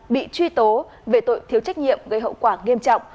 bị truy tố về tội thiếu trách nhiệm gây hậu quả nghiêm trọng